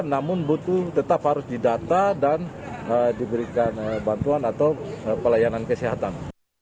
namun tetap harus didata dan diberikan bantuan atau pelayanan kesehatan